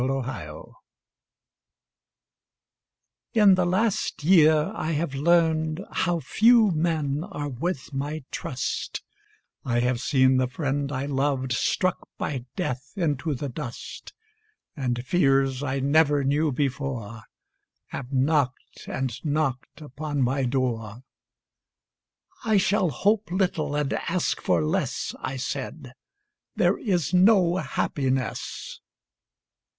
Red Maples In the last year I have learned How few men are worth my trust; I have seen the friend I loved Struck by death into the dust, And fears I never knew before Have knocked and knocked upon my door "I shall hope little and ask for less," I said, "There is no happiness."